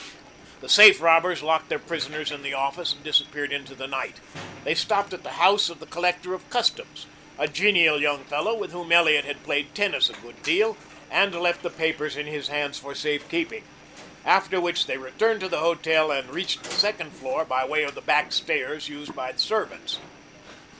The safe robbers locked their prisoners in the office and disappeared into the night. They stopped at the house of the collector of customs, a genial young fellow with whom Elliot had played tennis a good deal, and left the papers in his hands for safe keeping. After which they returned to the hotel and reached the second floor by way of the back stairs used by the servants.